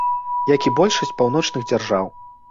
Як і большасць паўночных дзяржаў.